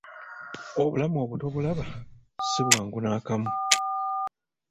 Obulamu obwo tobulaba ssi bwangu nakamu!